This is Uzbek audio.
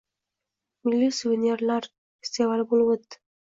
“Milliy suvenirlar” festivali bӯlib ӯtding